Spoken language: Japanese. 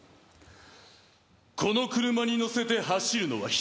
この車に乗せて走るのは人？